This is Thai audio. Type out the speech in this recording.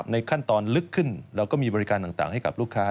ในขั้นตอนลึกขึ้นเราก็มีบริการต่างให้กับลูกค้า